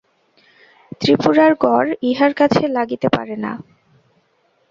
ত্রিপুরার গড় ইহার কাছে লাগিতে পারে না।